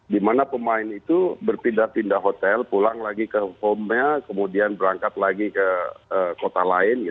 di mana pemain itu berpindah pindah hotel pulang lagi ke home nya kemudian berangkat lagi ke kota lain